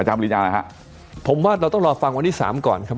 รีจานนะฮะผมว่าเราต้องรอฟังวันที่สามก่อนครับ